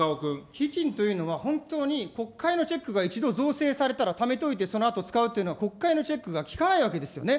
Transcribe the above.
基金というのは、本当に国会のチェックが一度造成されたら、ためといてそのあと使うっていうのは国会のチェックが効かないわけですよね。